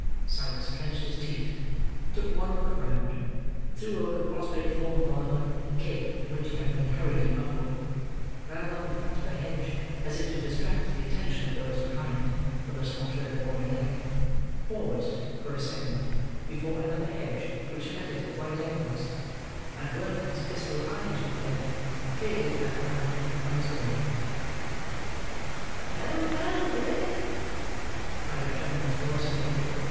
Sikes clenched his teeth; took one look around; threw over the prostrate form of Oliver, the cape in which he had been hurriedly muffled; ran along the front of the hedge, as if to distract the attention of those behind, from the spot where the boy lay; paused, for a second, before another hedge which met it at right angles; and whirling his pistol high into the air, cleared it at a bound, and was gone. "Ho, ho, there!" cried a tremulous voice in the rear.